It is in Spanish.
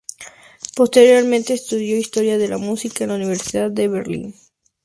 Posteriormente estudió historia de la música en la Universidad de Berlín.